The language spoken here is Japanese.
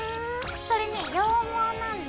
それね羊毛なんだ。